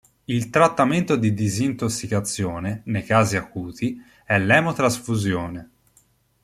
Il trattamento di disintossicazione, nei casi acuti, è l'emotrasfusione.